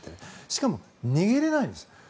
しかも逃げれないんですよ。